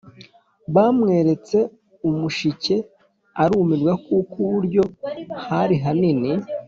Bamweretse umushike arumirwa, kuko uburyo hari hanini,